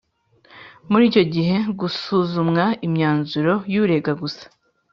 Muri icyo gihe hasuzumwa imyanzuro y urega gusa